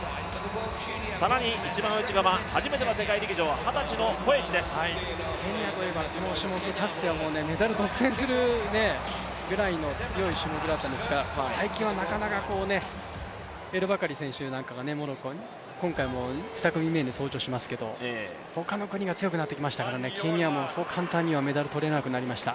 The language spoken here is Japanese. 更に一番内側、初めての世界陸上、ケニアといえば、かつてはこの種目、メダル独占するぐらいの強い種目だったんですが最近はなかなか、エルバカリ選手なんかがモロッコ、今回も２組目に登場しますけど他の国も強くなってきましたからケニアも、そう簡単にはメダルが取れなくなりました。